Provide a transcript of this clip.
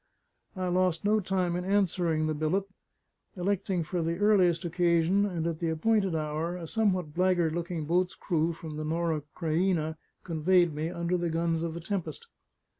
I lost no time in answering the billet, electing for the earliest occasion; and at the appointed hour, a somewhat blackguard looking boat's crew from the Norah Creina conveyed me under the guns of the Tempest.